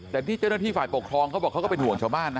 แต่ที่เจ้าหน้าที่ฝ่ายปกครองก็บอกเป็นห่วงชาวบ้าน